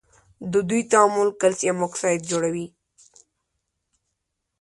د دوی تعامل کلسیم اکساید جوړوي.